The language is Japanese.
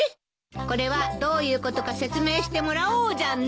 これはどういうことか説明してもらおうじゃない。